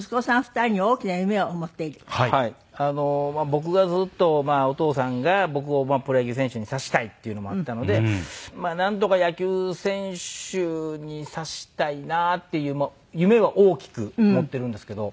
僕がずっとお父さんが僕をプロ野球選手にさせたいっていうのもあったのでまあなんとか野球選手にさせたいなっていう夢は大きく持ってるんですけど。